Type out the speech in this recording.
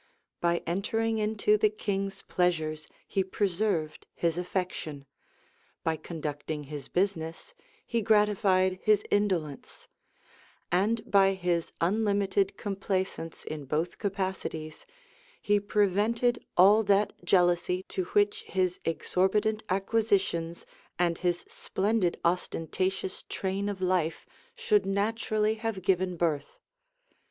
By entering into the king's pleasures, he preserved his affection; by conducting his business, he gratified his indolence; and by his unlimited complaisance in both capacities, he prevented all that jealousy to which his exorbitant acquisitions and his splendid ostentatious train of life should naturally have given birth.